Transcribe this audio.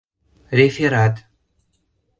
РЕФЕРАТ